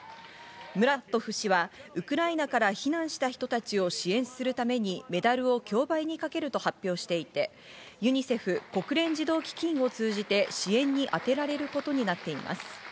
ムラトフ氏はウクライナから避難した人たちを支援するためにメダルを競売にかけると発表していて、ユニセフ＝国連児童基金を通じて支援に充てられることになっています。